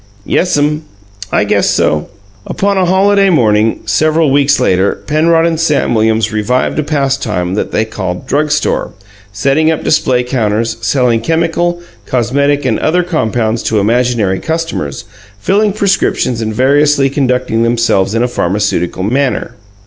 "Yes'm, I guess so." Upon a holiday morning, several weeks later, Penrod and Sam Williams revived a pastime that they called "drug store", setting up display counters, selling chemical, cosmetic and other compounds to imaginary customers, filling prescriptions and variously conducting themselves in a pharmaceutical manner.